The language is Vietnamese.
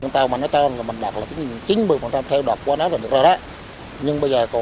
tàu mà nói to là chín mươi